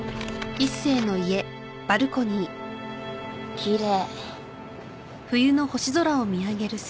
きれい。